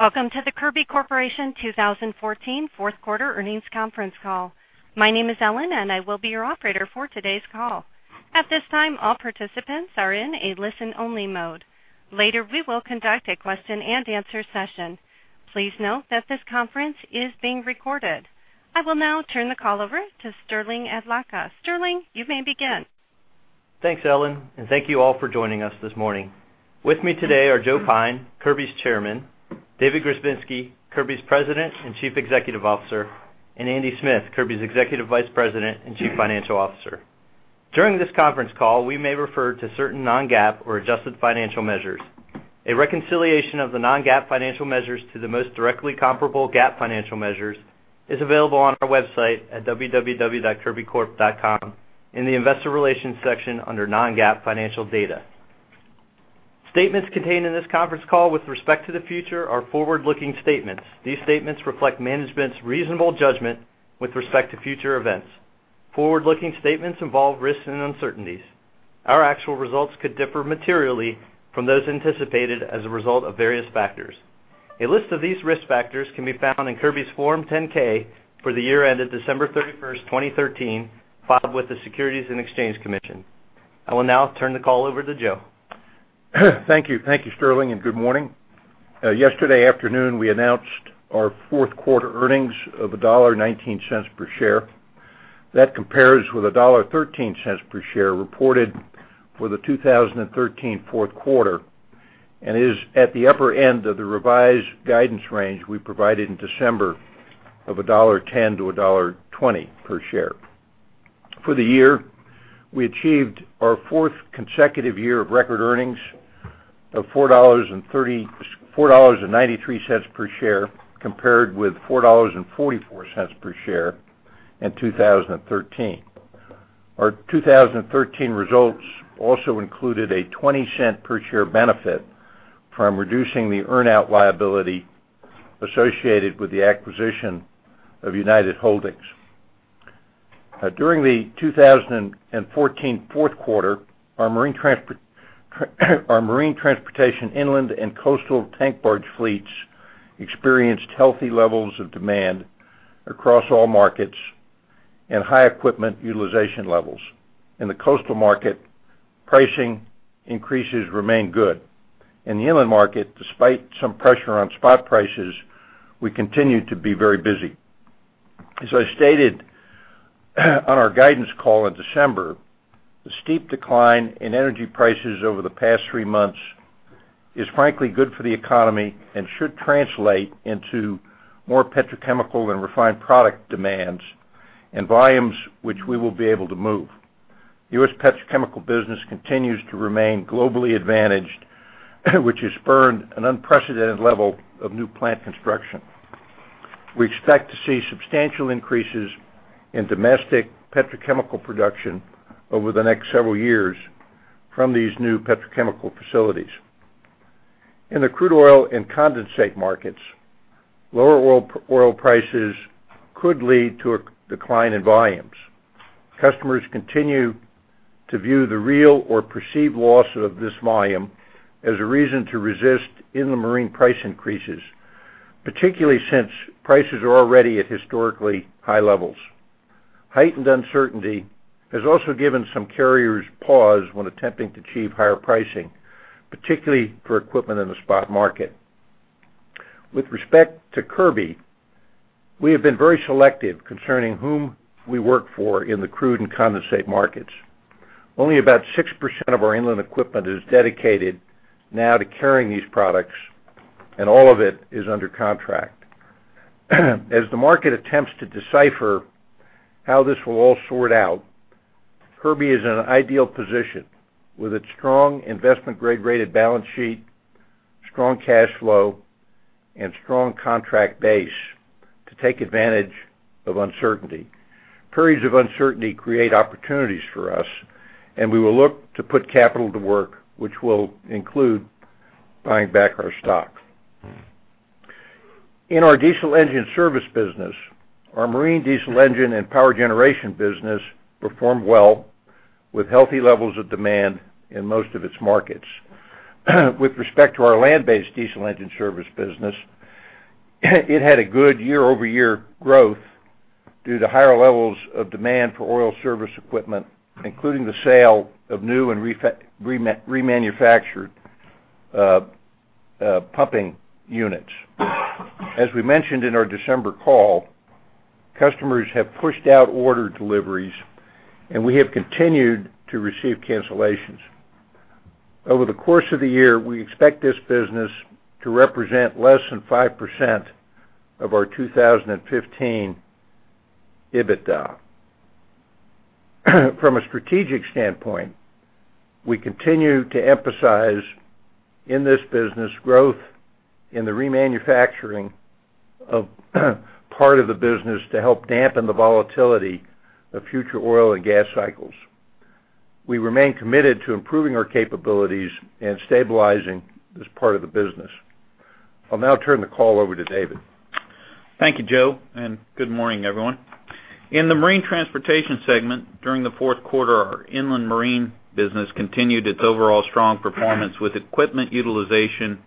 Welcome to the Kirby Corporation 2014 Q4 Earnings Conference Call. My name is Ellen, and I will be your operator for today's call. At this time, all participants are in a listen-only mode. Later, we will conduct a question-and-answer session. Please note that this conference is being recorded. I will now turn the call over to Sterling Adlakha. Sterling, you may begin. Thanks, Ellen, and thank you all for joining us this morning. With me today are Joe Pyne, Kirby's Chairman; David Grzebinski, Kirby's President and Chief Executive Officer; and Andy Smith, Kirby's Executive Vice President and Chief Financial Officer. During this conference call, we may refer to certain non-GAAP or adjusted financial measures. A reconciliation of the non-GAAP financial measures to the most directly comparable GAAP financial measures is available on our website at www.kirbycorp.com in the Investor Relations section under Non-GAAP Financial Data. Statements contained in this conference call with respect to the future are forward-looking statements. These statements reflect management's reasonable judgment with respect to future events. Forward-looking statements involve risks and uncertainties. Our actual results could differ materially from those anticipated as a result of various factors. A list of these risk factors can be found in Kirby's Form 10-K for the year ended December 31st, 2013, filed with the Securities and Exchange Commission. I will now turn the call over to Joe. Thank you. Thank you, Sterling, and good morning. Yesterday afternoon, we announced our fourth-quarter earnings of $1.19 per share. That compares with $1.13 per share reported for the 2013 Q4, and is at the upper end of the revised guidance range we provided in December of $1.10-$1.20 per share. For the year, we achieved our fourth consecutive year of record earnings of $4.93 per share, compared with $4.44 per share in 2013. Our 2013 results also included a $0.20 per share benefit from reducing the earn-out liability associated with the acquisition of United Holdings. During the 2014 Q4, our marine transport... Our marine transportation, inland and coastal tank barge fleets experienced healthy levels of demand across all markets and high equipment utilization levels. In the coastal market, pricing increases remained good. In the inland market, despite some pressure on spot prices, we continued to be very busy. As I stated, on our guidance call in December, the steep decline in energy prices over the past three months is frankly good for the economy and should translate into more petrochemical and refined product demands and volumes, which we will be able to move. U.S. petrochemical business continues to remain globally advantaged, which has spurred an unprecedented level of new plant construction. We expect to see substantial increases in domestic petrochemical production over the next several years from these new petrochemical facilities. In the crude oil and condensate markets, lower oil prices could lead to a decline in volumes. Customers continue to view the real or perceived loss of this volume as a reason to resist in the marine price increases, particularly since prices are already at historically high levels. Heightened uncertainty has also given some carriers pause when attempting to achieve higher pricing, particularly for equipment in the spot market. With respect to Kirby, we have been very selective concerning whom we work for in the crude and condensate markets. Only about 6% of our inland equipment is dedicated now to carrying these products, and all of it is under contract. As the market attempts to decipher how this will all sort out, Kirby is in an ideal position with its strong investment-grade rated balance sheet, strong cash flow, and strong contract base to take advantage of uncertainty. Periods of uncertainty create opportunities for us, and we will look to put capital to work, which will include buying back our stock. In our diesel engine service business, our marine diesel engine and power generation business performed well with healthy levels of demand in most of its markets. With respect to our land-based diesel engine service business, it had a good year-over-year growth due to higher levels of demand for oil service equipment, including the sale of new and remanufactured pumping units. As we mentioned in our December call, customers have pushed out order deliveries, and we have continued to receive cancellations. Over the course of the year, we expect this business to represent less than 5% of our 2015 EBITDA. From a strategic standpoint, we continue to emphasize in this business growth in the remanufacturing of part of the business to help dampen the volatility of future oil and gas cycles. We remain committed to improving our capabilities and stabilizing this part of the business. I'll now turn the call over to David.... Thank you, Joe, and good morning, everyone. In the Marine Transportation segment, during the Q4, our inland marine business continued its overall strong performance, with equipment utilization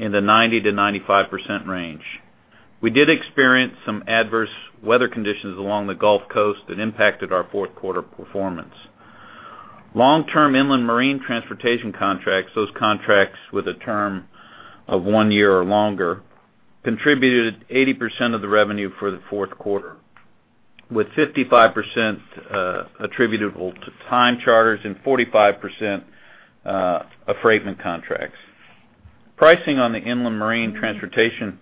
in the 90%-95% range. We did experience some adverse weather conditions along the Gulf Coast that impacted our Q4 performance. Long-term inland marine transportation contracts, those contracts with a term of one year or longer, contributed 80% of the revenue for the Q4, with 55% attributable to time charters and 45% of freight contracts. Pricing on the inland marine transportation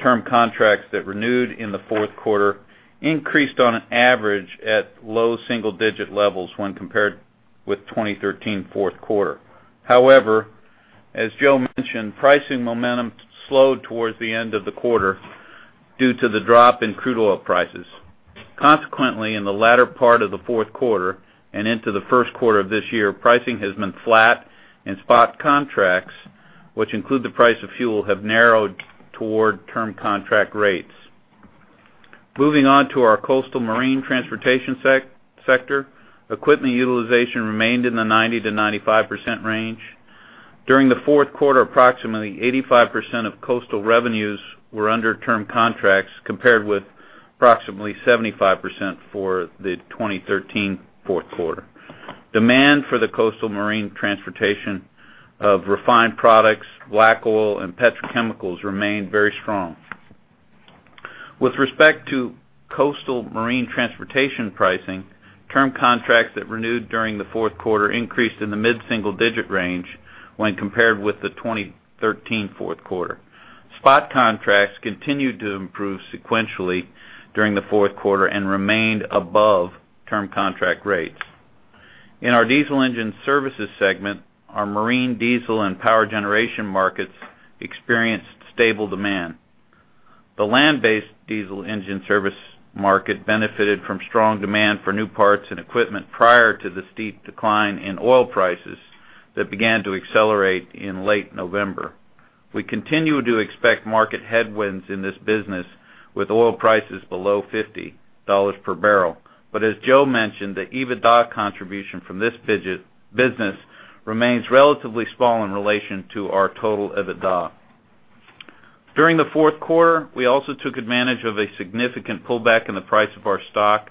term contracts that renewed in the Q4 increased on an average at low single-digit levels when compared with 2013 Q4. However, as Joe mentioned, pricing momentum slowed towards the end of the quarter due to the drop in crude oil prices. Consequently, in the latter part of the Q4 and into the Q1 of this year, pricing has been flat, and spot contracts, which include the price of fuel, have narrowed toward term contract rates. Moving on to our coastal marine transportation sector, equipment utilization remained in the 90%-95% range. During the Q4, approximately 85% of coastal revenues were under term contracts, compared with approximately 75% for the 2013 Q4. Demand for the coastal marine transportation of refined products, black oil, and petrochemicals remained very strong. With respect to coastal marine transportation pricing, term contracts that renewed during the Q4 increased in the mid-single digit range when compared with the 2013 Q4. Spot contracts continued to improve sequentially during the Q4 and remained above term contract rates. In our diesel engine services segment, our marine, diesel, and power generation markets experienced stable demand. The land-based diesel engine service market benefited from strong demand for new parts and equipment prior to the steep decline in oil prices that began to accelerate in late November. We continue to expect market headwinds in this business with oil prices below $50 per barrel. But as Joe mentioned, the EBITDA contribution from this business remains relatively small in relation to our total EBITDA. During the Q4, we also took advantage of a significant pullback in the price of our stock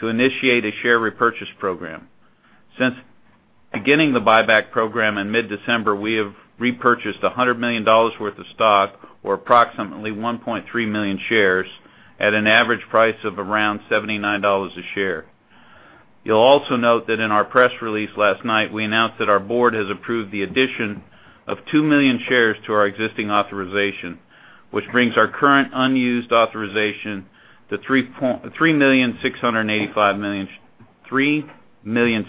to initiate a share repurchase program. Since beginning the buyback program in mid-December, we have repurchased $100 million worth of stock, or approximately 1.3 million shares, at an average price of around $79 a share. You'll also note that in our press release last night, we announced that our board has approved the addition of 2 million shares to our existing authorization, which brings our current unused authorization to 3.685 million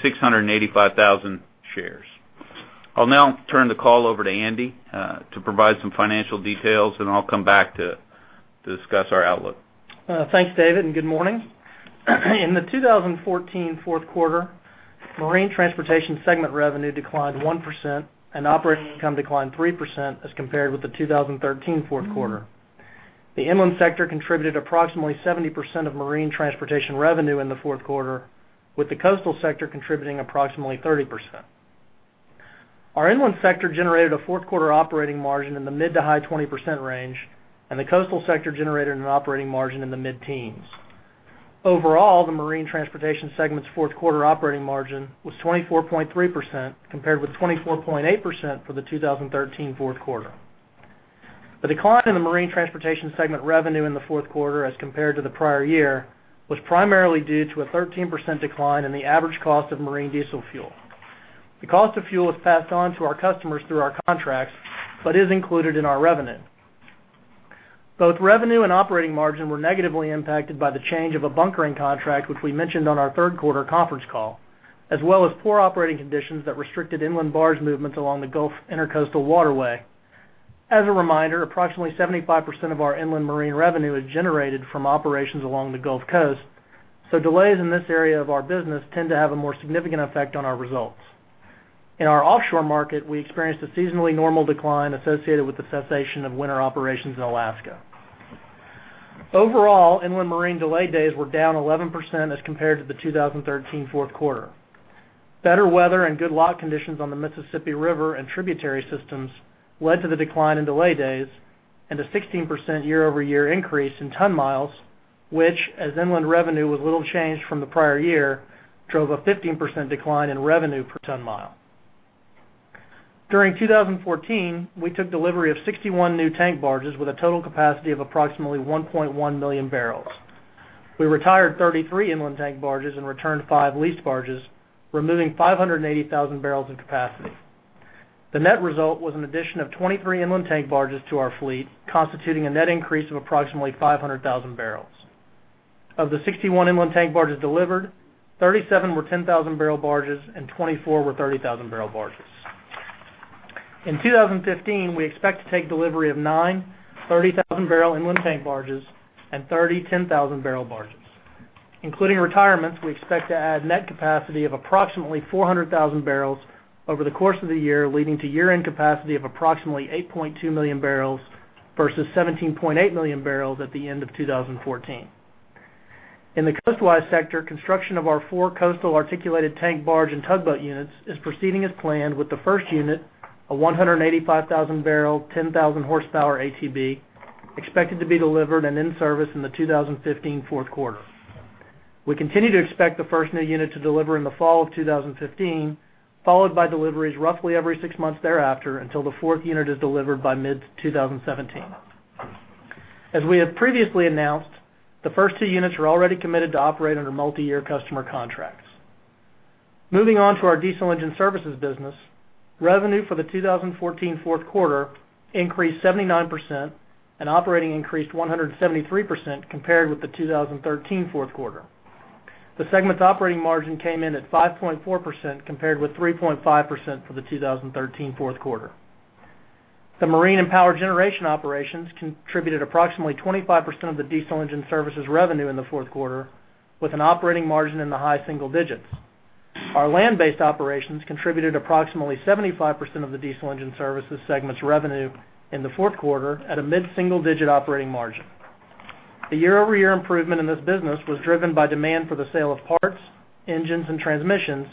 shares. I'll now turn the call over to Andy to provide some financial details, and I'll come back to discuss our outlook. Thanks, David, and good morning. In the 2014 Q4, Marine Transportation segment revenue declined 1%, and operating income declined 3% as compared with the 2013 Q4. The inland sector contributed approximately 70% of marine transportation revenue in the Q4, with the coastal sector contributing approximately 30%. Our inland sector generated a Q4 operating margin in the mid- to high-20% range, and the coastal sector generated an operating margin in the mid-teens. Overall, the Marine Transportation segment's Q4 operating margin was 24.3%, compared with 24.8% for the 2013 Q4. The decline in the Marine Transportation segment revenue in the Q4, as compared to the prior year, was primarily due to a 13% decline in the average cost of marine diesel fuel. The cost of fuel is passed on to our customers through our contracts, but is included in our revenue. Both revenue and operating margin were negatively impacted by the change of a bunkering contract, which we mentioned on our Q3 conference call, as well as poor operating conditions that restricted inland barge movements along the Gulf Intracoastal Waterway. As a reminder, approximately 75% of our inland marine revenue is generated from operations along the Gulf Coast, so delays in this area of our business tend to have a more significant effect on our results. In our offshore market, we experienced a seasonally normal decline associated with the cessation of winter operations in Alaska. Overall, inland marine delay days were down 11% as compared to the 2013 Q4. Better weather and good lot conditions on the Mississippi River and tributary systems led to the decline in delay days and a 16% year-over-year increase in ton-miles, which, as inland revenue, was little changed from the prior year, drove a 15% decline in revenue per ton mile. During 2014, we took delivery of 61 new tank barges with a total capacity of approximately 1.1 million barrels. We retired 33 inland tank barges and returned 5 leased barges, removing 580,000 barrels of capacity. The net result was an addition of 23 inland tank barges to our fleet, constituting a net increase of approximately 500,000 barrels. Of the 61 inland tank barges delivered, 37 were 10,000-barrel barges and 24 were 30,000-barrel barges. In 2015, we expect to take delivery of nine 30,000-barrel inland tank barges and 30 10,000-barrel barges, including retirements, we expect to add net capacity of approximately 400,000 barrels over the course of the year, leading to year-end capacity of approximately 8.2 million barrels versus 17.8 million barrels at the end of 2014. In the coastal sector, construction of our four coastal articulated tank barge and tugboat units is proceeding as planned, with the first unit, a 185,000-barrel, 10,000 horsepower ATB, expected to be delivered and in service in the 2015 Q4. We continue to expect the first new unit to deliver in the fall of 2015, followed by deliveries roughly every six months thereafter until the fourth unit is delivered by mid-2017. As we have previously announced, the first two units are already committed to operate under multiyear customer contracts. Moving on to our diesel engine services business. Revenue for the 2014 Q4 increased 79%, and operating increased 173% compared with the 2013 Q4. The segment's operating margin came in at 5.4%, compared with 3.5% for the 2013 Q4. The marine and power generation operations contributed approximately 25% of the diesel engine services revenue in the Q4, with an operating margin in the high single digits. Our land-based operations contributed approximately 75% of the diesel engine services segment's revenue in the Q4 at a mid-single-digit operating margin. The year-over-year improvement in this business was driven by demand for the sale of parts, engines, and transmissions,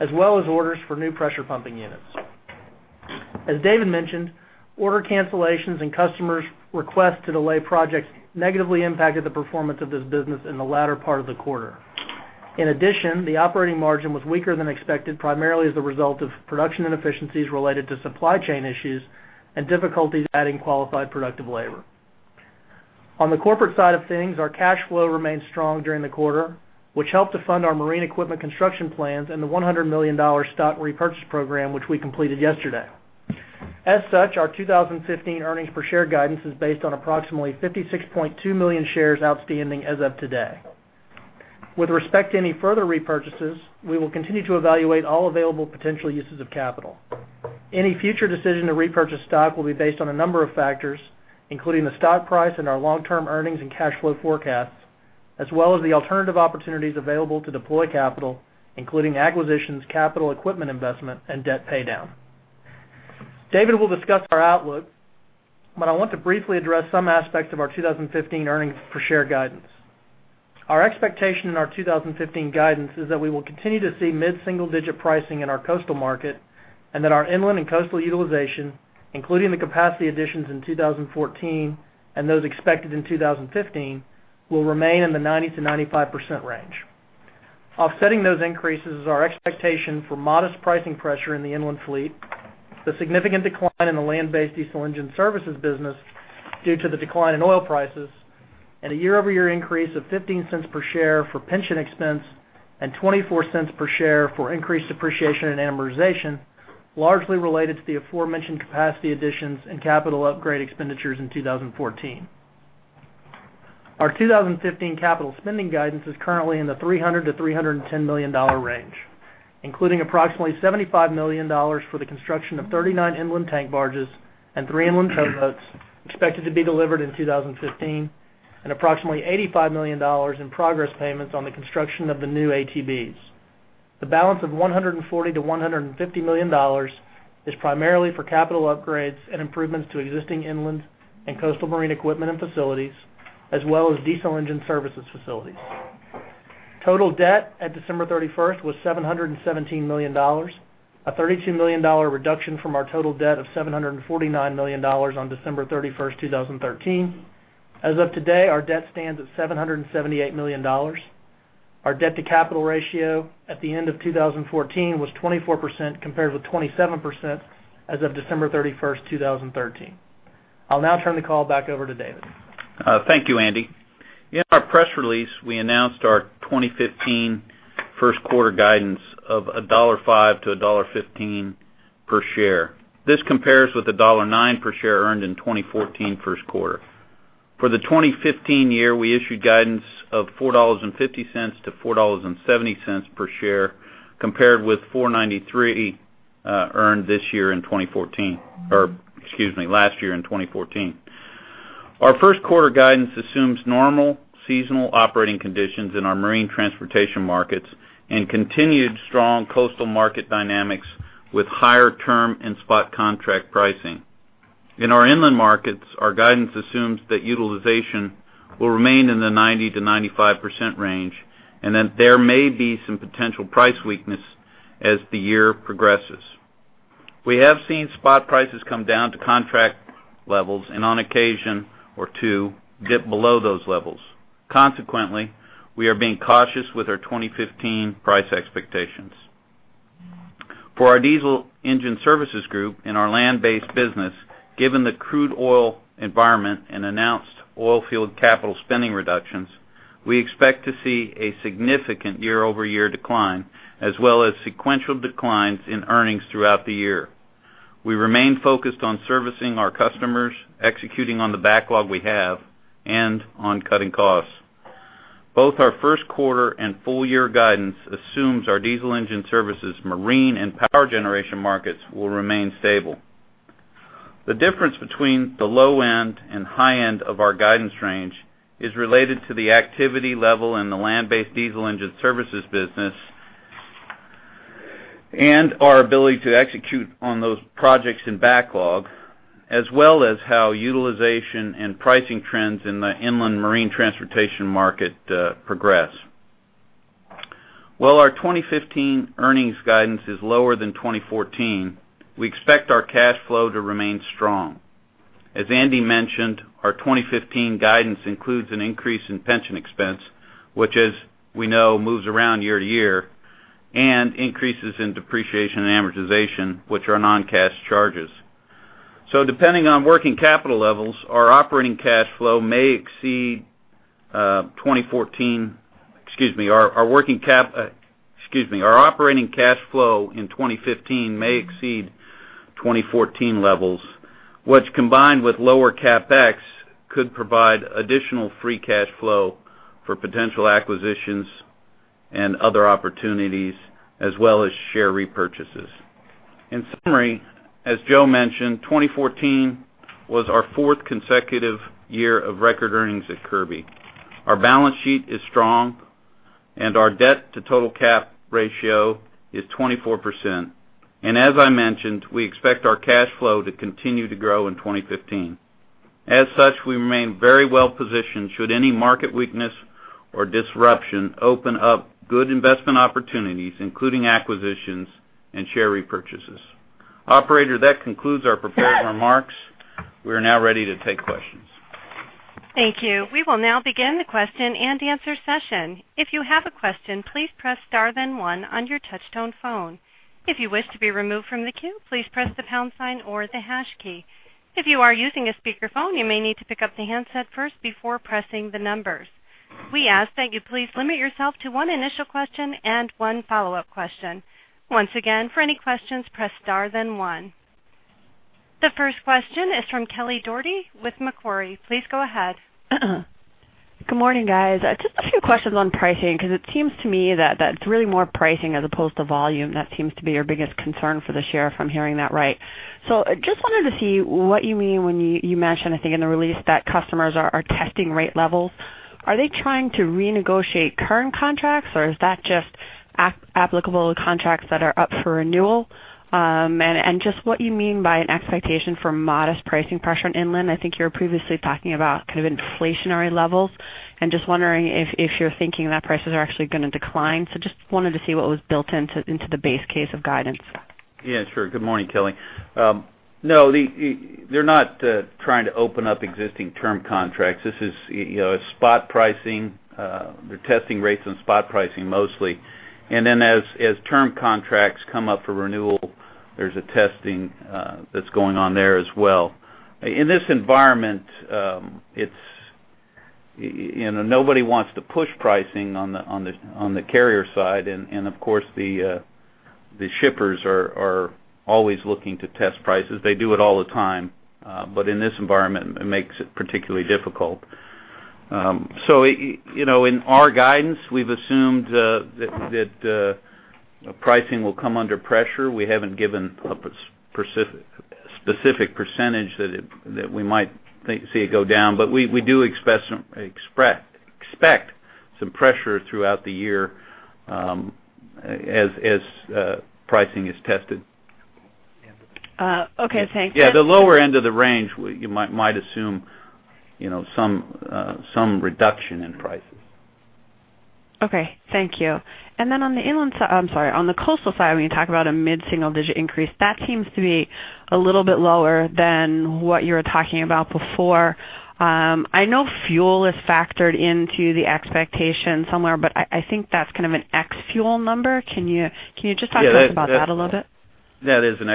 as well as orders for new pressure pumping units. As David mentioned, order cancellations and customers' requests to delay projects negatively impacted the performance of this business in the latter part of the quarter. In addition, the operating margin was weaker than expected, primarily as a result of production inefficiencies related to supply chain issues and difficulties adding qualified, productive labor. On the corporate side of things, our cash flow remained strong during the quarter, which helped to fund our marine equipment construction plans and the $100 million stock repurchase program, which we completed yesterday. As such, our 2015 earnings per share guidance is based on approximately 56.2 million shares outstanding as of today. With respect to any further repurchases, we will continue to evaluate all available potential uses of capital. Any future decision to repurchase stock will be based on a number of factors, including the stock price and our long-term earnings and cash flow forecasts, as well as the alternative opportunities available to deploy capital, including acquisitions, capital equipment investment, and debt paydown. David will discuss our outlook, but I want to briefly address some aspects of our 2015 earnings per share guidance. Our expectation in our 2015 guidance is that we will continue to see mid-single-digit pricing in our coastal market, and that our inland and coastal utilization, including the capacity additions in 2014 and those expected in 2015, will remain in the 90%-95% range. Offsetting those increases is our expectation for modest pricing pressure in the inland fleet, the significant decline in the land-based diesel engine services business due to the decline in oil prices, and a year-over-year increase of $0.15 per share for pension expense and $0.24 per share for increased depreciation and amortization, largely related to the aforementioned capacity additions and capital upgrade expenditures in 2014. Our 2015 capital spending guidance is currently in the $300 million-$310 million range, including approximately $75 million for the construction of 39 inland tank barges and 3 inland towboats expected to be delivered in 2015, and approximately $85 million in progress payments on the construction of the new ATBs. The balance of $140 million-$150 million is primarily for capital upgrades and improvements to existing inland and coastal marine equipment and facilities, as well as diesel engine services facilities. Total debt at December 31st was $717 million, a $32 million reduction from our total debt of $749 million on December 31st, 2013. As of today, our debt stands at $778 million. Our debt-to-capital ratio at the end of 2014 was 24%, compared with 27% as of December 31st, 2013. I'll now turn the call back over to David. Thank you, Andy. In our press release, we announced our 2015 Q1 guidance of $1.05-$1.15 per share. This compares with $1.09 per share earned in 2014 Q1. For the 2015 year, we issued guidance of $4.50-$4.70 per share, compared with $4.93, earned this year in 2014—or excuse me, last year in 2014. Our Q1 guidance assumes normal seasonal operating conditions in our marine transportation markets and continued strong coastal market dynamics with higher term and spot contract pricing. In our inland markets, our guidance assumes that utilization will remain in the 90%-95% range, and that there may be some potential price weakness as the year progresses. We have seen spot prices come down to contract levels and, on occasion or two, dip below those levels. Consequently, we are being cautious with our 2015 price expectations. For our diesel engine services group and our land-based business, given the crude oil environment and announced oil field capital spending reductions, we expect to see a significant year-over-year decline, as well as sequential declines in earnings throughout the year. We remain focused on servicing our customers, executing on the backlog we have, and on cutting costs. Both our Q1 and full year guidance assumes our diesel engine services, marine and power generation markets will remain stable. The difference between the low end and high end of our guidance range is related to the activity level in the land-based diesel engine services business and our ability to execute on those projects in backlog, as well as how utilization and pricing trends in the inland marine transportation market progress. While our 2015 earnings guidance is lower than 2014, we expect our cash flow to remain strong. As Andy mentioned, our 2015 guidance includes an increase in pension expense, which, as we know, moves around year to year, and increases in depreciation and amortization, which are non-cash charges. So depending on working capital levels, our operating cash flow may exceed 2014. our operating cash flow in 2015 may exceed 2014 levels, which, combined with lower CapEx, could provide additional free cash flow for potential acquisitions and other opportunities, as well as share repurchases. In summary, as Joe mentioned, 2014 was our fourth consecutive year of record earnings at Kirby. Our balance sheet is strong, and our debt to total capital ratio is 24%. As I mentioned, we expect our cash flow to continue to grow in 2015. As such, we remain very well positioned should any market weakness or disruption open up good investment opportunities, including acquisitions and share repurchases. Operator, that concludes our prepared remarks. We are now ready to take questions. Thank you. We will now begin the question-and-answer session. If you have a question, please press star, then one on your touchtone phone. If you wish to be removed from the queue, please press the pound sign or the hash key. If you are using a speakerphone, you may need to pick up the handset first before pressing the numbers. We ask that you please limit yourself to one initial question and one follow-up question. Once again, for any questions, press star, then one. The first question is from Kelly Dougherty with Macquarie. Please go ahead. Good morning, guys. Just a few questions on pricing, because it seems to me that it's really more pricing as opposed to volume that seems to be your biggest concern for the share, if I'm hearing that right. So I just wanted to see what you mean when you mentioned, I think, in the release, that customers are testing rate levels. Are they trying to renegotiate current contracts, or is that just applicable to contracts that are up for renewal? And just what you mean by an expectation for modest pricing pressure in inland. I think you were previously talking about kind of inflationary levels, and just wondering if you're thinking that prices are actually going to decline. So just wanted to see what was built into the base case of guidance. Yeah, sure. Good morning, Kelly. No, they're not trying to open up existing term contracts. This is, you know, spot pricing, they're testing rates on spot pricing mostly. And then as term contracts come up for renewal, there's testing that's going on there as well. In this environment, it's, you know, nobody wants to push pricing on the carrier side. And of course, the shippers are always looking to test prices. They do it all the time, but in this environment, it makes it particularly difficult. So, you know, in our guidance, we've assumed that pricing will come under pressure. We haven't given a specific percentage that it, that we might see it go down, but we, we do expect some pressure throughout the year, as pricing is tested. Okay, thanks. Yeah, the lower end of the range, you might assume, you know, some reduction in prices. Okay, thank you. And then on the inland side, I'm sorry, on the coastal side, when you talk about a mid-single-digit increase, that seems to be a little bit lower than what you were talking about before. I know fuel is factored into the expectation somewhere, but I think that's kind of an ex-fuel number. Can you just talk to us about that a little bit? That is an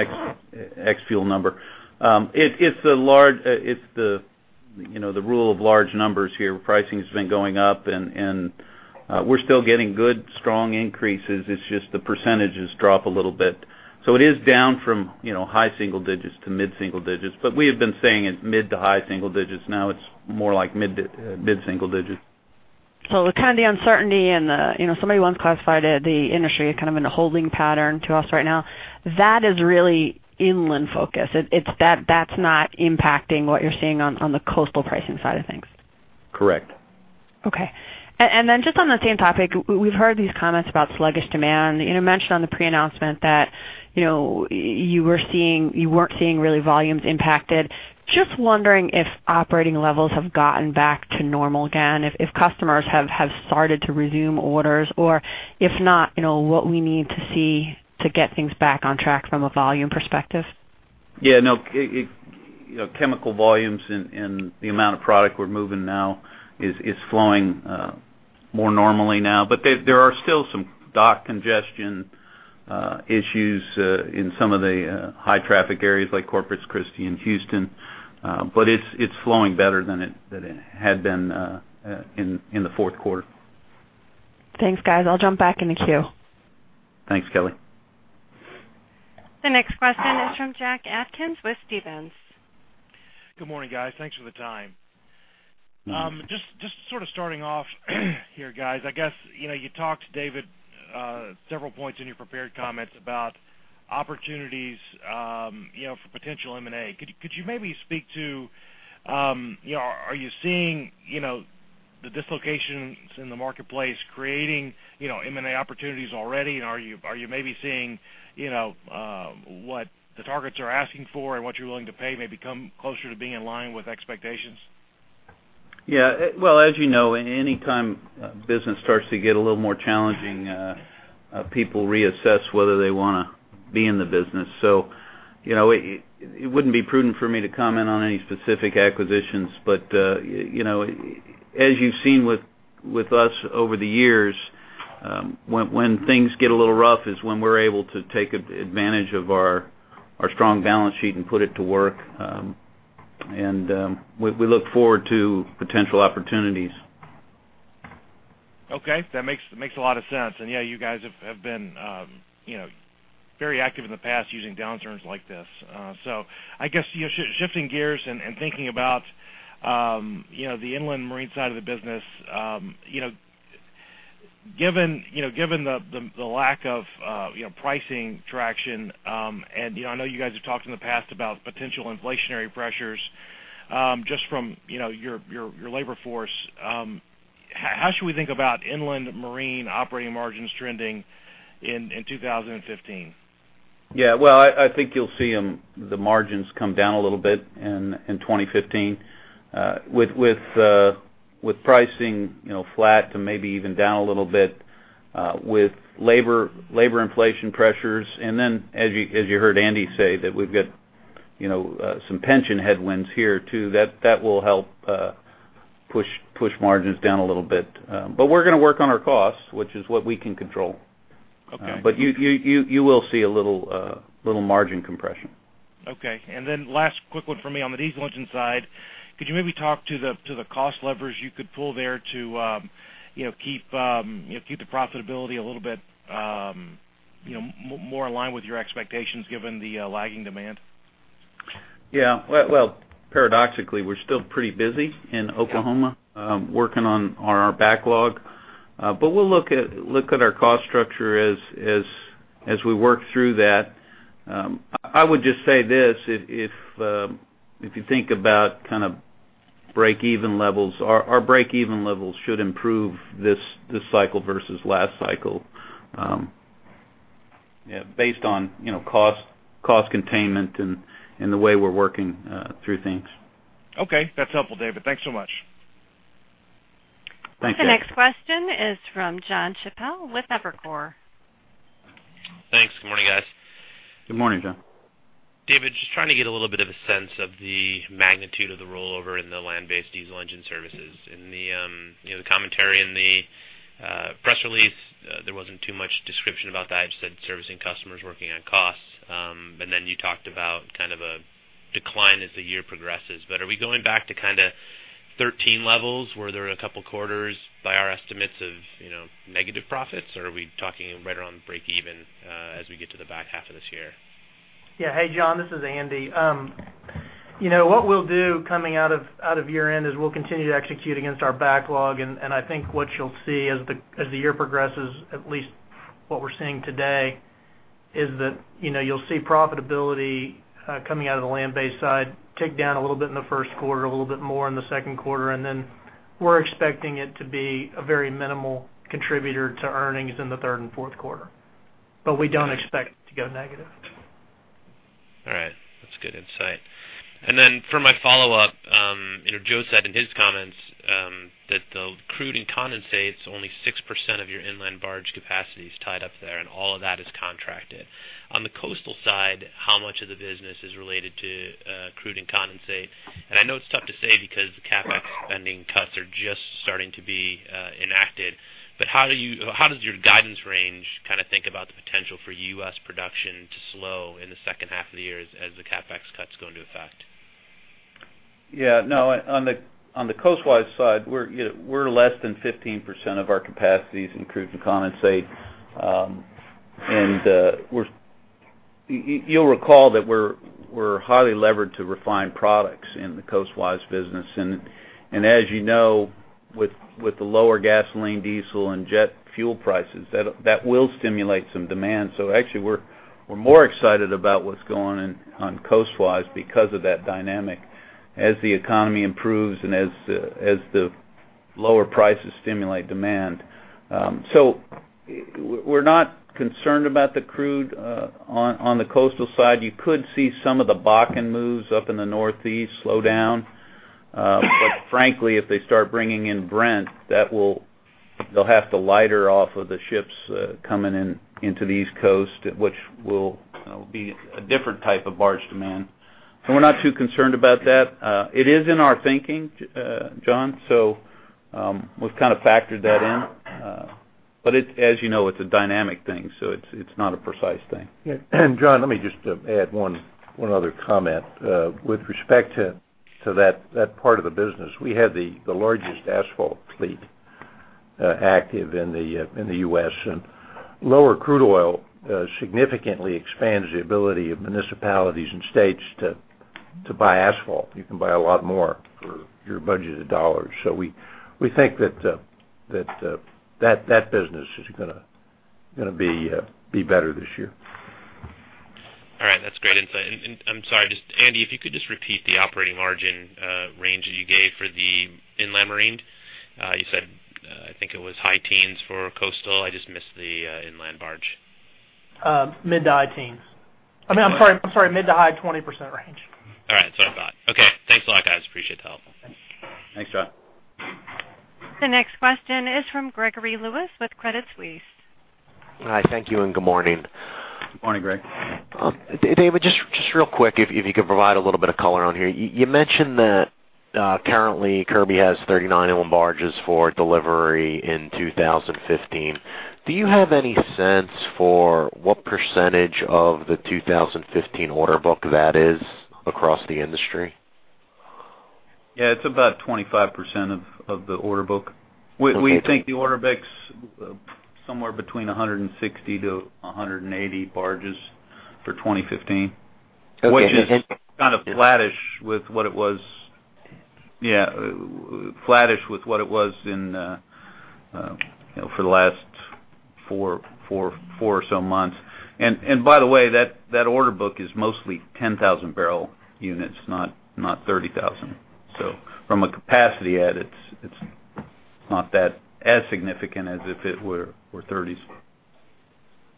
ex-fuel number. It's the rule of large numbers here, you know. Pricing has been going up, and we're still getting good, strong increases. It's just the percentages drop a little bit. So it is down from, you know, high single digits to mid single digits, but we have been saying it's mid to high single digits. Now it's more like mid to mid single digits. So kind of the uncertainty and the, you know, somebody once classified it, the industry kind of in a holding pattern to us right now. That is really inland-focused. It, it's that, that's not impacting what you're seeing on, on the coastal pricing side of things? Correct. Okay. And then just on the same topic, we've heard these comments about sluggish demand. You know, you mentioned on the pre-announcement that, you know, you were seeing—you weren't seeing really volumes impacted. Just wondering if operating levels have gotten back to normal again, if customers have started to resume orders or if not, you know, what we need to see to get things back on track from a volume perspective. Yeah, no, it, you know, chemical volumes and the amount of product we're moving now is flowing more normally now. But there are still some dock congestion issues in some of the high-traffic areas like Corpus Christi and Houston, but it's flowing better than it had been in the Q4. Thanks, guys. I'll jump back in the queue. Thanks, Kelly. The next question is from Jack Atkins with Stephens. Good morning, guys. Thanks for the time.... Just sort of starting off here, guys. I guess, you know, you talked, David, several points in your prepared comments about opportunities, you know, for potential M&A. Could you maybe speak to, you know, are you seeing, you know, the dislocations in the marketplace creating, you know, M&A opportunities already? And are you maybe seeing, you know, what the targets are asking for and what you're willing to pay, maybe come closer to being in line with expectations? Yeah. Well, as you know, anytime business starts to get a little more challenging, people reassess whether they wanna be in the business. So, you know, it wouldn't be prudent for me to comment on any specific acquisitions. But, you know, as you've seen with us over the years, when things get a little rough is when we're able to take advantage of our strong balance sheet and put it to work. And, we look forward to potential opportunities. Okay, that makes, that makes a lot of sense. And, yeah, you guys have, have been, you know, very active in the past using downturns like this. So I guess, you know, shifting gears and, and thinking about, you know, the inland marine side of the business. You know, given, you know, given the, the lack of, you know, pricing traction, and, you know, I know you guys have talked in the past about potential inflationary pressures, just from, you know, your, your labor force, how should we think about inland marine operating margins trending in, in 2015? Yeah, well, I think you'll see the margins come down a little bit in 2015. With pricing, you know, flat to maybe even down a little bit, with labor inflation pressures. And then, as you heard Andy say, that we've got, you know, some pension headwinds here, too, that will help push margins down a little bit. But we're going to work on our costs, which is what we can control. Okay. But you will see a little margin compression. Okay. And then last quick one for me. On the diesel engine side, could you maybe talk to the cost levers you could pull there to, you know, keep, you know, keep the profitability a little bit, you know, more in line with your expectations, given the lagging demand? Yeah. Well, well, paradoxically, we're still pretty busy in Oklahoma, working on our backlog. But we'll look at, look at our cost structure as, as, as we work through that. I would just say this, if, if, if you think about kind of break-even levels, our, our break-even levels should improve this, this cycle versus last cycle, yeah, based on, you know, cost, cost containment and, and the way we're working, through things. Okay, that's helpful, David. Thanks so much. Thanks. The next question is from Jon Chappell with Evercore. Thanks. Good morning, guys. Good morning, John. David, just trying to get a little bit of a sense of the magnitude of the rollover in the land-based diesel engine services. In the, you know, the commentary in the, press release, there wasn't too much description about that. It said, "Servicing customers, working on costs." And then you talked about kind of a decline as the year progresses. But are we going back to kind of thirteen levels, were there are a couple quarters, by our estimates of, you know, negative profits? Or are we talking right around break even, as we get to the back half of this year? Yeah. Hey, John, this is Andy. You know, what we'll do coming out of, out of year-end is we'll continue to execute against our backlog. And, and I think what you'll see as the, as the year progresses, at least what we're seeing today, is that, you know, you'll see profitability coming out of the land-based side, tick down a little bit in the Q1, a little bit more in the Q2, and then we're expecting it to be a very minimal contributor to earnings in the third and Q4. But we don't expect to go negative. All right. That's good insight. And then for my follow-up, you know, Joe said in his comments, that the crude and condensate's only 6% of your inland barge capacity is tied up there, and all of that is contracted. On the coastal side, how much of the business is related to, crude and condensate? And I know it's tough to say because the CapEx spending cuts are just starting to be, enacted, but how does your guidance range kind of think about the potential for U.S. production to slow in the H1 of the year as the CapEx cuts go into effect? Yeah. No, on the coastwise side, we're, you know, we're less than 15% of our capacity is in crude and condensate. And we're -- you'll recall that we're highly levered to refined products in the coastwise business. And as you know, with the lower gasoline, diesel, and jet fuel prices, that will stimulate some demand. So actually, we're more excited about what's going on coastwise because of that dynamic as the economy improves and as the lower prices stimulate demand. So we're not concerned about the crude on the coastal side. You could see some of the Bakken moves up in the Northeast slow down. But frankly, if they start bringing in Brent, that will... They'll have to lighter off of the ships coming in into the East Coast, which will be a different type of barge demand. So we're not too concerned about that. It is in our thinking, John, so we've kind of factored that in. But it's, as you know, a dynamic thing, so it's not a precise thing. Yeah. John, let me just add one other comment. With respect to that part of the business, we have the largest asphalt fleet active in the U.S. And lower crude oil significantly expands the ability of municipalities and states to buy asphalt. You can buy a lot more for your budgeted dollars. So we think that business is gonna be better this year. All right, that's great insight. And, I'm sorry, just Andy, if you could just repeat the operating margin range that you gave for the inland marine. You said, I think it was high teens for coastal. I just missed the inland barge. Mid to high teens. I mean, I'm sorry, mid to high 20% range. All right. That's what I thought. Okay. Thanks a lot, guys. Appreciate the help. Thanks, John. The next question is from Gregory Lewis with Credit Suisse. Hi. Thank you, and good morning. Good morning, Greg. David, just real quick, if you could provide a little bit of color on here. You mentioned that currently, Kirby has 39 inland barges for delivery in 2015. Do you have any sense for what percentage of the 2015 order book that is across the industry? Yeah, it's about 25% of the order book. Okay. We think the order book's somewhere between 160 to 180 barges for 2015.Which is kind of flattish with what it was. Flattish with what it was in, you know, for the last four or so months. And by the way, that order book is mostly 10,000-barrel units, not 30,000. So from a capacity add, it's not that as significant as if it were 30,000s.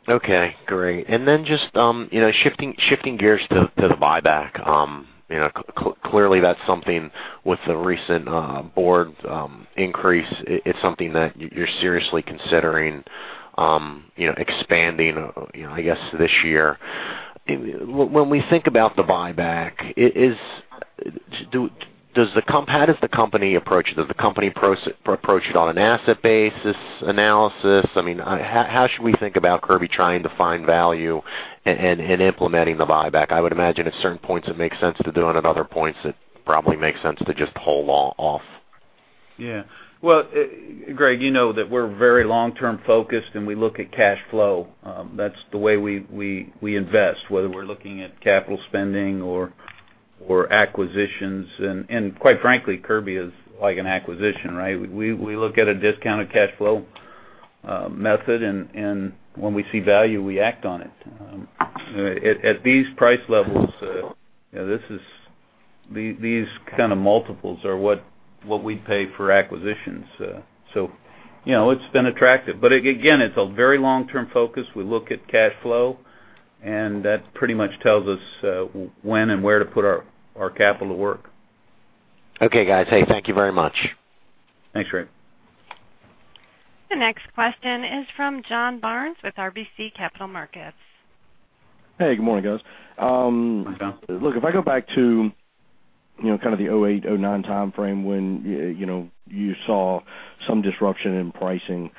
Okay, great. And then just, you know, shifting gears to the buyback. You know, clearly, that's something with the recent board increase. It's something that you're seriously considering, you know, expanding, you know, I guess this year. When we think about the buyback, how does the company approach it? Does the company approach it on an asset basis analysis? I mean, how should we think about Kirby trying to find value in implementing the buyback? I would imagine at certain points, it makes sense to do it, at other points, it probably makes sense to just hold off. Yeah. Well, Greg, you know that we're very long-term focused, and we look at cash flow. That's the way we invest, whether we're looking at capital spending or acquisitions. And quite frankly, Kirby is like an acquisition, right? We look at a discounted cash flow method, and when we see value, we act on it. At these price levels, you know, this is—these kind of multiples are what we pay for acquisitions. So, you know, it's been attractive. But again, it's a very long-term focus. We look at cash flow, and that pretty much tells us when and where to put our capital to work. Okay, guys. Hey, thank you very much. Thanks, Greg. The next question is from John Barnes with RBC Capital Markets. Hey, good morning, guys. Hi, John. Look, if I go back to, you know, kind of the 2008, 2009 time frame, when you know, you saw some disruption in pricing,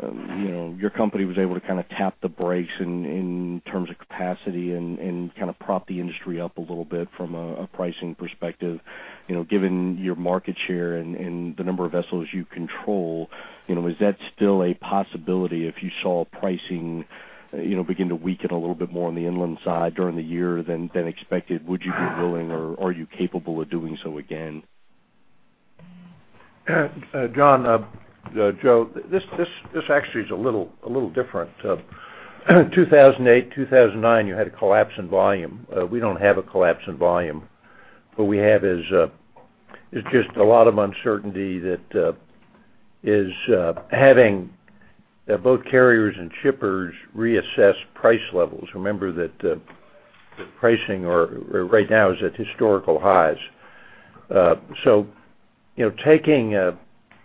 you know, your company was able to kind of tap the brakes in, in terms of capacity and, and kind of prop the industry up a little bit from a, a pricing perspective. You know, given your market share and, and the number of vessels you control, you know, is that still a possibility if you saw pricing, you know, begin to weaken a little bit more on the inland side during the year than, than expected? Would you be willing or are you capable of doing so again? John, Joe, this actually is a little different. 2008, 2009, you had a collapse in volume. We don't have a collapse in volume. What we have is just a lot of uncertainty that is having both carriers and shippers reassess price levels. Remember that the pricing right now is at historical highs. So,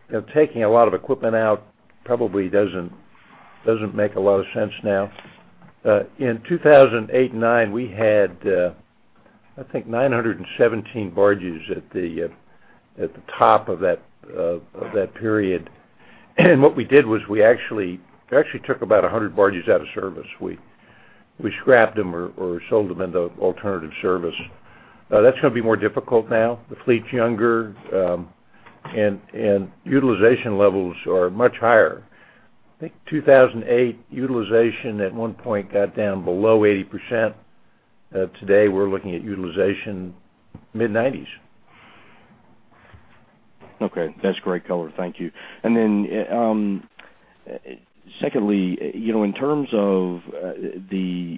you know, taking a lot of equipment out probably doesn't make a lot of sense now. In 2008 and 2009, we had, I think, 917 barges at the top of that period. And what we did was we actually took about 100 barges out of service. We scrapped them or sold them into alternative service. That's gonna be more difficult now. The fleet's younger, and utilization levels are much higher. I think 2008, utilization at one point got down below 80%. Today, we're looking at utilization mid-90s%. Okay. That's great color. Thank you. And then, secondly, you know, in terms of the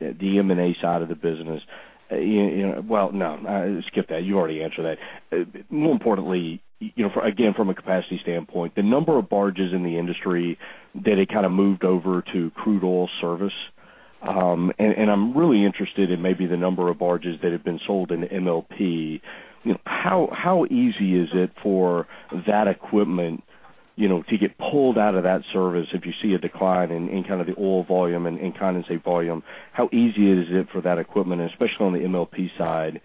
M&A side of the business, you know... Well, no, skip that. You already answered that. More importantly, you know, for again, from a capacity standpoint, the number of barges in the industry that have kind of moved over to crude oil service, and I'm really interested in maybe the number of barges that have been sold in MLP. You know, how easy is it for that equipment, you know, to get pulled out of that service if you see a decline in kind of the oil volume and in condensate volume? How easy is it for that equipment, especially on the MLP side,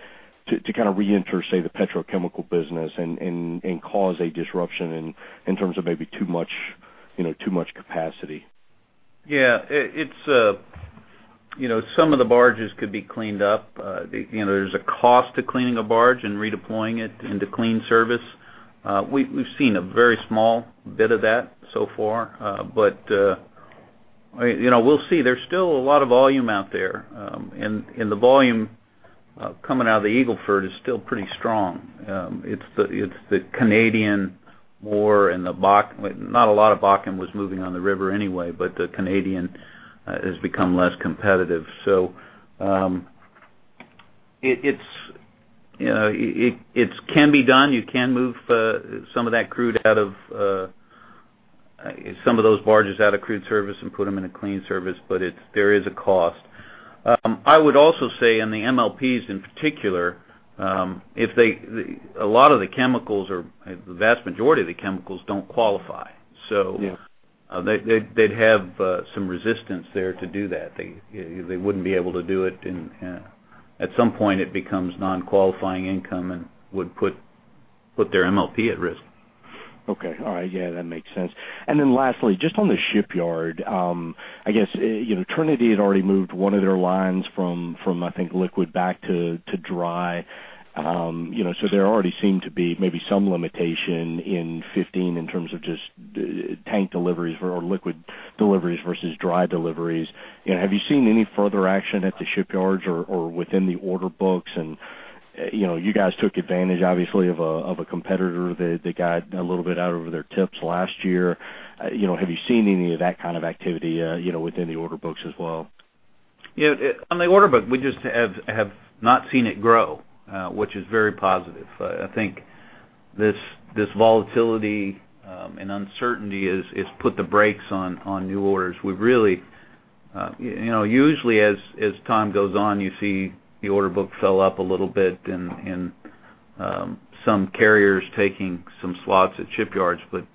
to kind of reenter, say, the petrochemical business and cause a disruption in terms of maybe too much, you know, too much capacity? Yeah. It's, you know, some of the barges could be cleaned up. The, you know, there's a cost to cleaning a barge and redeploying it into clean service. We've seen a very small bit of that so far, but, you know, we'll see. There's still a lot of volume out there, and the volume coming out of the Eagle Ford is still pretty strong. It's the, it's the Canadian oil and the Bakken, not a lot of Bakken was moving on the river anyway, but the Canadian has become less competitive. So, it's, you know, it can be done. You can move some of that crude out of some of those barges out of crude service and put them in a clean service, but it's, there is a cost. I would also say in the MLPs in particular, a lot of the chemicals or the vast majority of the chemicals don't qualify. So, they'd have some resistance there to do that. They wouldn't be able to do it, and at some point, it becomes non-qualifying income and would put their MLP at risk. Okay. All right. Yeah, that makes sense. And then lastly, just on the shipyard, I guess, you know, Trinity had already moved one of their lines from liquid back to dry. You know, so there already seemed to be maybe some limitation in 2015 in terms of just tank deliveries or liquid deliveries versus dry deliveries. You know, have you seen any further action at the shipyards or within the order books? And, you know, you guys took advantage, obviously, of a competitor that got a little bit out over their tips last year. You know, have you seen any of that kind of activity, you know, within the order books as well? Yeah, on the order book, we just have not seen it grow, which is very positive. I think this volatility and uncertainty is. It's put the brakes on new orders. We really, you know, usually, as time goes on, you see the order book fill up a little bit and some carriers taking some slots at shipyards, but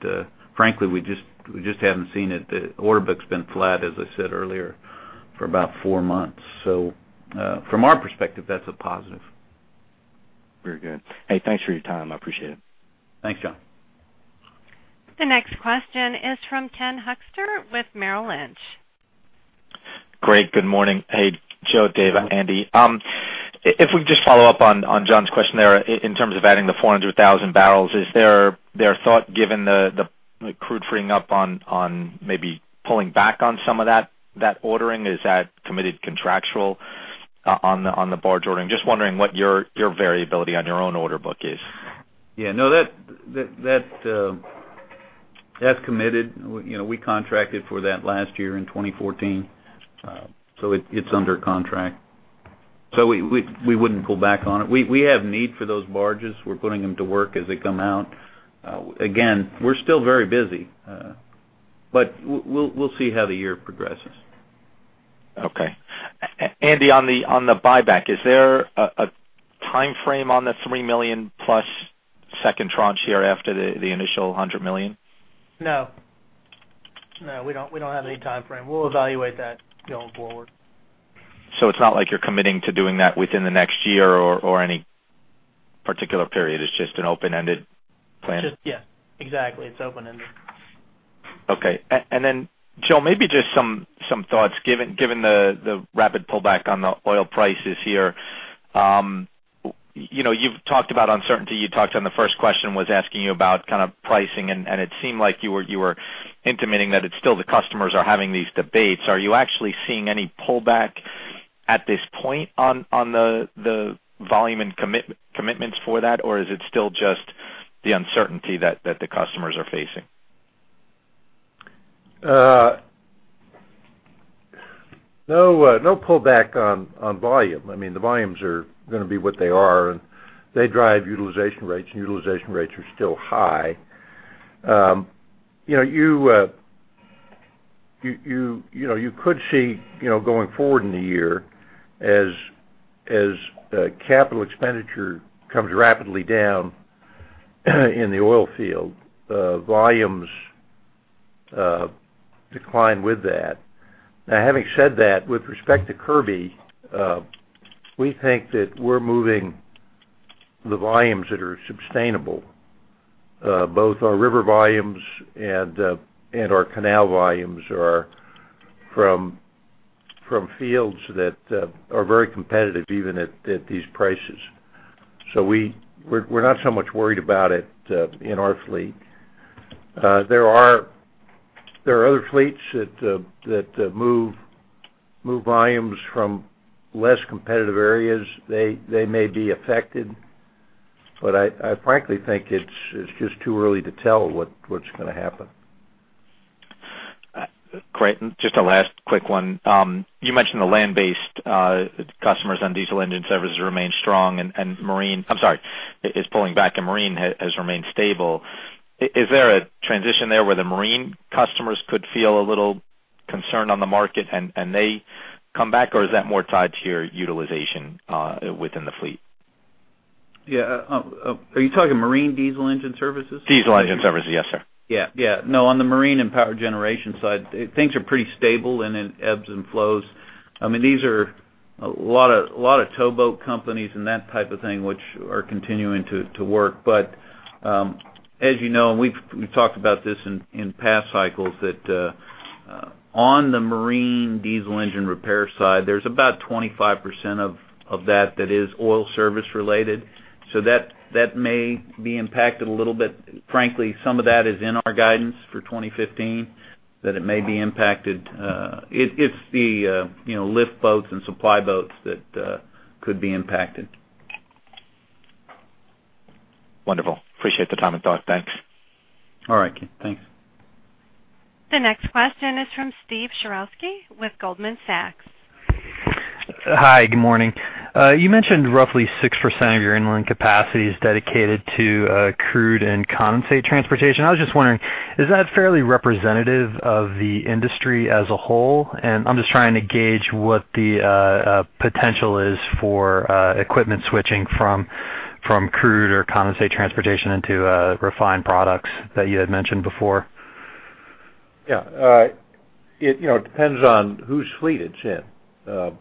frankly, we just haven't seen it. The order book's been flat, as I said earlier, for about four months. So, from our perspective, that's a positive. Very good. Hey, thanks for your time. I appreciate it. Thanks, John. The next question is from Ken Hoexter with Merrill Lynch. Great. Good morning. Hey, Joe, Dave, Andy. If we just follow up on John's question there, in terms of adding the 400,000 barrels, is there a thought, given the crude freeing up on maybe pulling back on some of that ordering? Is that committed contractual on the barge ordering? Just wondering what your variability on your own order book is. Yeah. No, that's committed. You know, we contracted for that last year in 2014, so it's under contract. So we wouldn't pull back on it. We have need for those barges. We're putting them to work as they come out. Again, we're still very busy, but we'll see how the year progresses. Okay. Andy, on the buyback, is there a timeframe on the $3 million-plus second tranche here after the initial $100 million? No. No, we don't, we don't have any timeframe. We'll evaluate that going forward. It's not like you're committing to doing that within the next year or, or any particular period. It's just an open-ended plan? Just... Yeah, exactly. It's open-ended. Okay. And then, Joe, maybe just some thoughts, given the rapid pullback on the oil prices here. You know, you've talked about uncertainty. You talked on the first question was asking you about kind of pricing, and it seemed like you were intimating that it's still the customers are having these debates. Are you actually seeing any pullback at this point on the volume and commitments for that, or is it still just the uncertainty that the customers are facing? No, no pullback on volume. I mean, the volumes are gonna be what they are, and they drive utilization rates, and utilization rates are still high. You know, you know, you could see, you know, going forward in the year as capital expenditure comes rapidly down in the oil field, volumes decline with that. Now, having said that, with respect to Kirby, we think that we're moving the volumes that are sustainable. Both our river volumes and our canal volumes are from fields that are very competitive, even at these prices. So we're not so much worried about it in our fleet. There are other fleets that move volumes from less competitive areas. They may be affected, but I frankly think it's just too early to tell what's gonna happen. Great. Just a last quick one. You mentioned the land-based, customers on diesel engine services remain strong and, and marine... I'm sorry, is pulling back and marine has, has remained stable. Is there a transition there where the marine customers could feel a little concerned on the market and, and they come back, or is that more tied to your utilization, within the fleet? Yeah, are you talking marine diesel engine services? Diesel engine services, yes, sir. Yeah, yeah. No, on the marine and power generation side, things are pretty stable and then ebbs and flows. I mean, these are a lot of, lot of towboat companies and that type of thing, which are continuing to, to work. But, as you know, and we've, we've talked about this in, in past cycles, that, on the marine diesel engine repair side, there's about 25% of, of that that is oil service related. So that, that may be impacted a little bit. Frankly, some of that is in our guidance for 2015, that it may be impacted. It, it's the, you know, lift boats and supply boats that, could be impacted. Wonderful. Appreciate the time and thought. Thanks. All right, Keith. Thanks. The next question is from Steve Sherowski with Goldman Sachs. Hi, good morning. You mentioned roughly 6% of your inland capacity is dedicated to crude and condensate transportation. I was just wondering, is that fairly representative of the industry as a whole? I'm just trying to gauge what the potential is for equipment switching from crude or condensate transportation into refined products that you had mentioned before. Yeah. It, you know, depends on whose fleet it's in.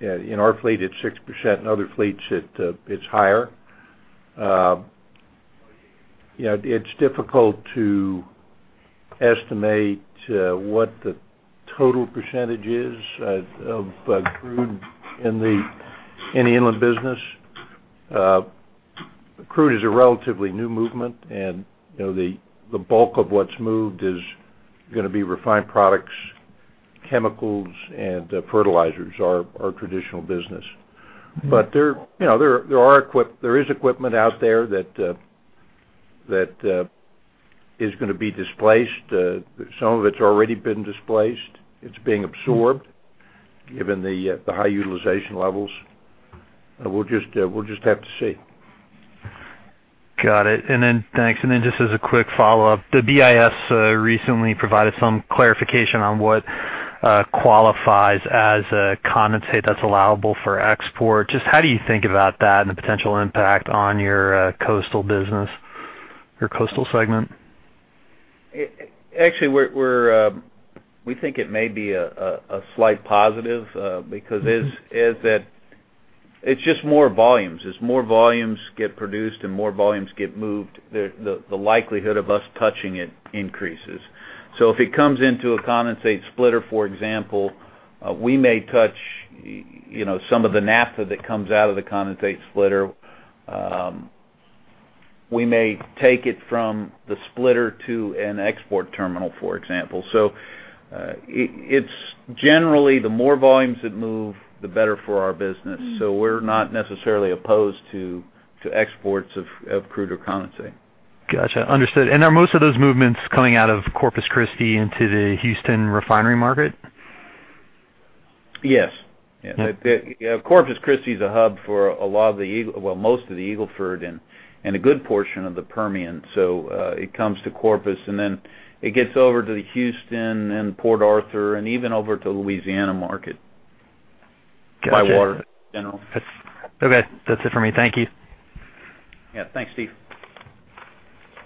In our fleet, it's 6%. In other fleets, it's higher. You know, it's difficult to estimate what the total percentage is of crude in the inland business. Crude is a relatively new movement, and, you know, the bulk of what's moved is gonna be refined products, chemicals, and fertilizers are our traditional business. But there, you know, there is equipment out there that is gonna be displaced. Some of it's already been displaced. It's being absorbed, given the high utilization levels. We'll just have to see. Got it. Thanks. Just as a quick follow-up, the BIS recently provided some clarification on what qualifies as a condensate that's allowable for export. Just how do you think about that and the potential impact on your coastal business, your coastal segment? Actually, we're we think it may be a slight positive because it's just more volumes. As more volumes get produced and more volumes get moved, the likelihood of us touching it increases. So if it comes into a condensate splitter, for example, we may touch, you know, some of the naphtha that comes out of the condensate splitter. We may take it from the splitter to an export terminal, for example. So, it's generally, the more volumes that move, the better for our business. So we're not necessarily opposed to exports of crude or condensate. Gotcha, understood. Are most of those movements coming out of Corpus Christi into the Houston refinery market? Yes. Okay. Yeah, Corpus Christi is a hub for a lot of the Eagle Ford and a good portion of the Permian. So, it comes to Corpus, and then it gets over to the Houston and Port Arthur, and even over to the Louisiana market. Gotcha ...by water, in general. Okay. That's it for me. Thank you. Yeah, thanks, Steve.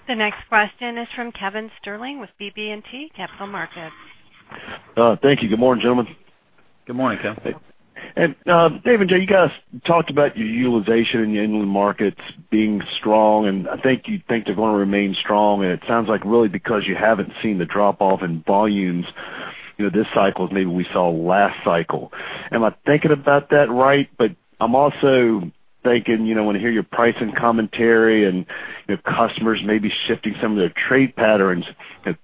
The next question is from Kevin Sterling with BB&T Capital Markets. Thank you. Good morning, gentlemen. Good morning, Kevin. David and Joe, you guys talked about your utilization in the inland markets being strong, and I think you think they're gonna remain strong, and it sounds like really because you haven't seen the drop-off in volumes, you know, this cycle as maybe we saw last cycle. Am I thinking about that right? But I'm also thinking, you know, when I hear your pricing commentary and, you know, customers may be shifting some of their trade patterns,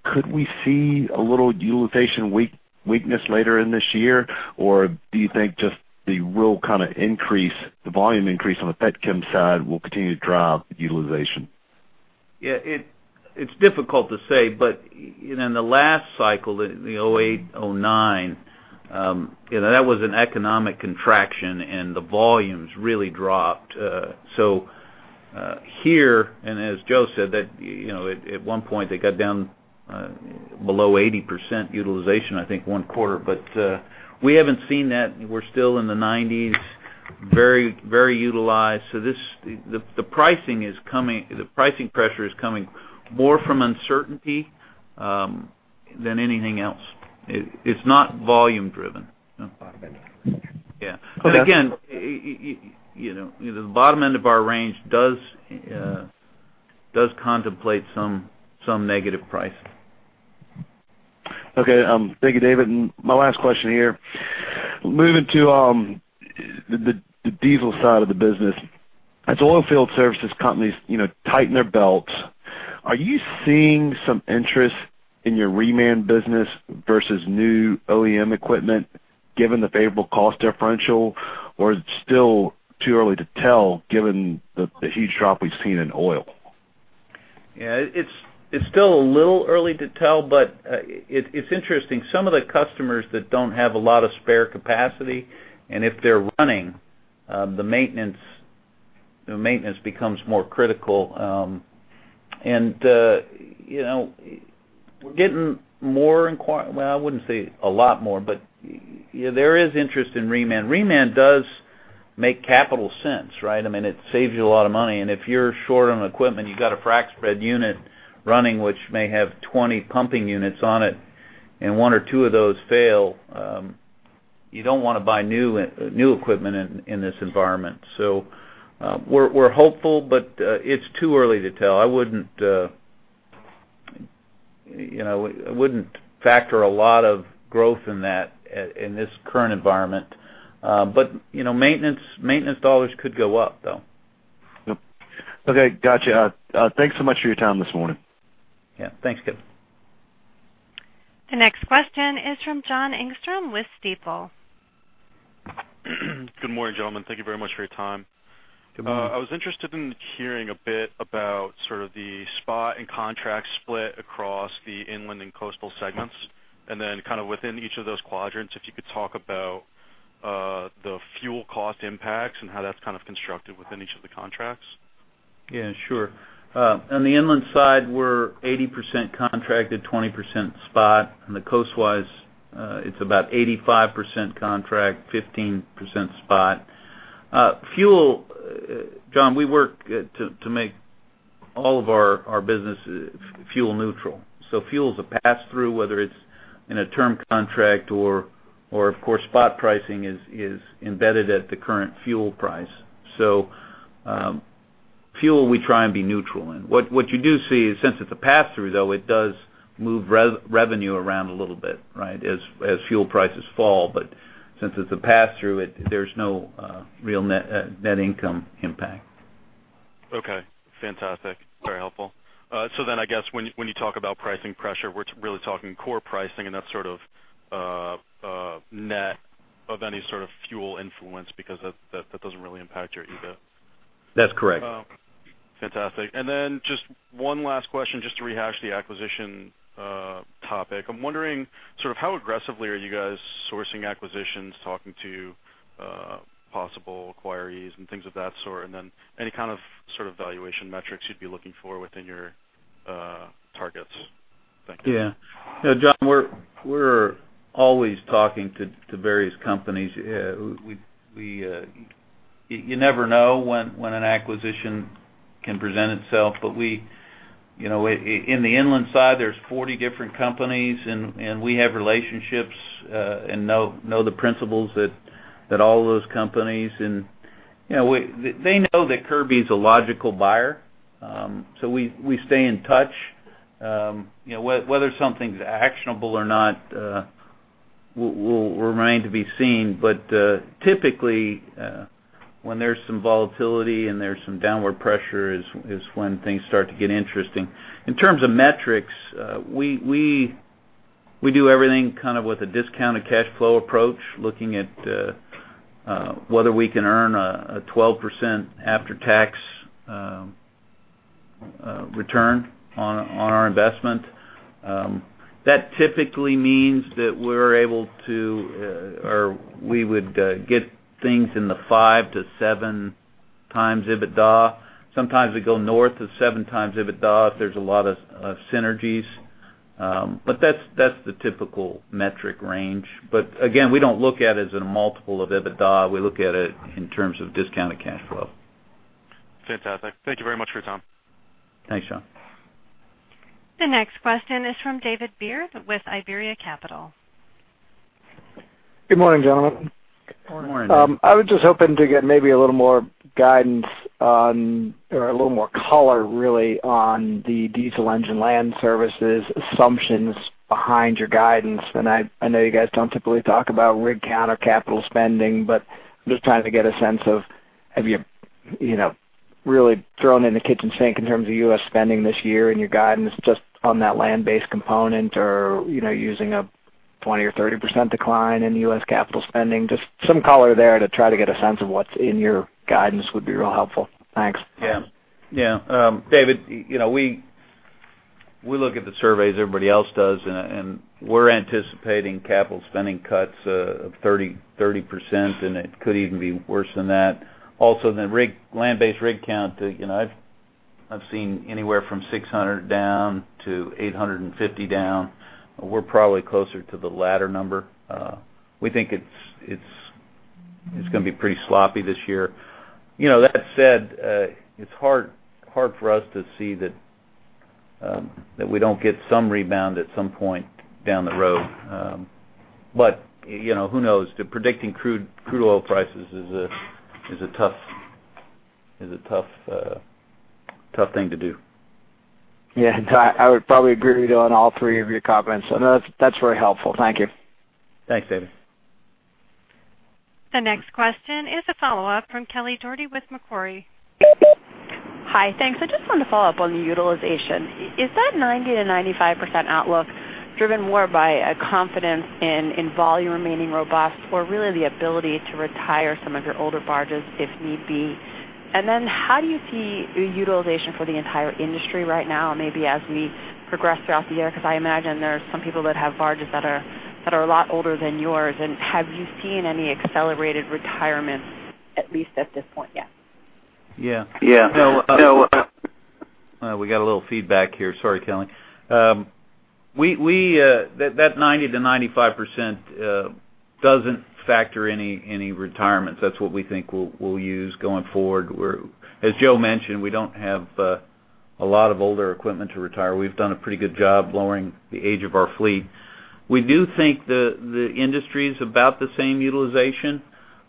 could we see a little utilization weakness later in this year? Or do you think just the real kind of increase, the volume increase on the pet chem side will continue to drive utilization? Yeah, it's difficult to say, but you know, in the last cycle, in the 2008, 2009, you know, that was an economic contraction, and the volumes really dropped. So here, and as Joe said, that you know, at one point, they got down below 80% utilization, I think, one quarter. But we haven't seen that. We're still in the 90s, very, very utilized. So the pricing is coming. The pricing pressure is coming more from uncertainty than anything else. It's not volume driven. Bottom end. Yeah. Okay. But again, you know, the bottom end of our range does, does contemplate some negative pricing. Okay, thank you, David. And my last question here: moving to the diesel side of the business, as oil field services companies, you know, tighten their belts, are you seeing some interest in your reman business versus new OEM equipment, given the favorable cost differential, or is it still too early to tell, given the huge drop we've seen in oil? Yeah, it's still a little early to tell, but it's interesting. Some of the customers that don't have a lot of spare capacity, and if they're running, the maintenance, the maintenance becomes more critical. And you know, we're getting more—well, I wouldn't say a lot more, but yeah, there is interest in reman. Reman does make capital sense, right? I mean, it saves you a lot of money, and if you're short on equipment, you've got a frac spread unit running, which may have 20 pumping units on it, and 1 or 2 of those fail—you don't wanna buy new equipment in this environment. So, we're hopeful, but it's too early to tell. I wouldn't, you know, I wouldn't factor a lot of growth in that, in this current environment. But, you know, maintenance, maintenance dollars could go up, though. Yep. Okay, gotcha. Thanks so much for your time this morning. Yeah. Thanks, Kevin. The next question is from Ben Nolan with Stifel. Good morning, gentlemen. Thank you very much for your time. Good morning. I was interested in hearing a bit about sort of the spot and contract split across the inland and coastal segments, and then kind of within each of those quadrants, if you could talk about, the fuel cost impacts and how that's kind of constructed within each of the contracts. Yeah, sure. On the inland side, we're 80% contracted, 20% spot, and the coastwise, it's about 85% contract, 15% spot. Fuel, John, we work to make all of our business fuel neutral. So fuel's a pass-through, whether it's in a term contract or, of course, spot pricing is embedded at the current fuel price. So, fuel, we try and be neutral in. What you do see, since it's a pass-through, though, it does move revenue around a little bit, right, as fuel prices fall. But since it's a pass-through, it, there's no real net net income impact. Okay, fantastic. Very helpful. So then I guess when you talk about pricing pressure, we're really talking core pricing and that sort of, net of any sort of fuel influence because that doesn't really impact your EBIT? That's correct. Fantastic. And then just one last question, just to rehash the acquisition topic. I'm wondering, sort of how aggressively are you guys sourcing acquisitions, talking to possible acquirees and things of that sort? And then any kind of sort of valuation metrics you'd be looking for within your targets? Thank you. Yeah. Yeah, John, we're always talking to various companies. You never know when an acquisition can present itself, but you know, in the inland side, there's 40 different companies and we have relationships and know the principals at all those companies. And you know, we... They know that Kirby is a logical buyer, so we stay in touch. You know, whether something's actionable or not will remain to be seen. But typically, when there's some volatility and there's some downward pressure is when things start to get interesting. In terms of metrics, we do everything kind of with a discounted cash flow approach, looking at whether we can earn a 12% after-tax return on our investment. That typically means that we're able to or we would get things in the 5-7x EBITDA. Sometimes we go north of 7x EBITDA if there's a lot of synergies, but that's the typical metric range. But again, we don't look at it as a multiple of EBITDA. We look at it in terms of discounted cash flow. Fantastic. Thank you very much for your time. Thanks, John. The next question is from David Beard with Iberia Capital. Good morning, gentlemen. Good morning. I was just hoping to get maybe a little more guidance on, or a little more color, really, on the diesel engine land services assumptions behind your guidance. I know you guys don't typically talk about rig count or capital spending, but I'm just trying to get a sense of, have you, you know, really thrown in the kitchen sink in terms of US spending this year in your guidance, just on that land-based component or, you know, using a 20% or 30% decline in US capital spending? Just some color there to try to get a sense of what's in your guidance would be real helpful. Thanks. Yeah. Yeah. David, you know, we look at the surveys everybody else does, and we're anticipating capital spending cuts of 30, 30%, and it could even be worse than that. Also, the rig, land-based rig count, you know, I've seen anywhere from 600 down to 850 down. We're probably closer to the latter number. We think it's gonna be pretty sloppy this year. You know, that said, it's hard for us to see that we don't get some rebound at some point down the road. But, you know, who knows? Predicting crude oil prices is a tough thing to do. Yeah, I would probably agree with you on all three of your comments, so that's, that's very helpful. Thank you. Thanks, David. The next question is a follow-up from Kelly Dougherty with Macquarie. Hi, thanks. I just wanted to follow up on the utilization. Is that 90%-95% outlook driven more by a confidence in volume remaining robust or really the ability to retire some of your older barges, if need be? And then, how do you see your utilization for the entire industry right now, and maybe as we progress throughout the year? Because I imagine there are some people that have barges that are a lot older than yours. And have you seen any accelerated retirement, at least at this point yet? Yeah. Yeah. We got a little feedback here. Sorry, Kelly. That 90%-95% doesn't factor any retirements. That's what we think we'll use going forward. As Joe mentioned, we don't have a lot of older equipment to retire. We've done a pretty good job lowering the age of our fleet. We do think the industry is about the same utilization.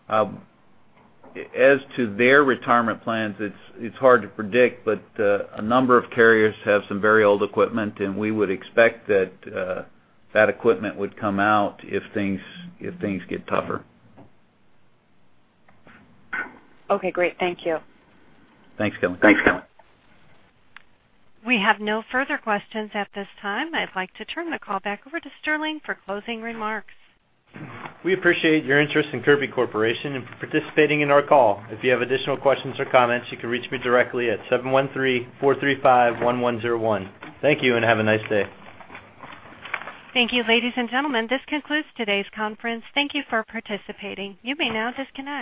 As to their retirement plans, it's hard to predict, but a number of carriers have some very old equipment, and we would expect that equipment would come out if things get tougher. Okay, great. Thank you. Thanks, Kelly. Thanks, Kelly. We have no further questions at this time. I'd like to turn the call back over to Sterling for closing remarks. We appreciate your interest in Kirby Corporation and for participating in our call. If you have additional questions or comments, you can reach me directly at 713-435-1101. Thank you, and have a nice day. Thank you, ladies and gentlemen. This concludes today's conference. Thank you for participating. You may now disconnect.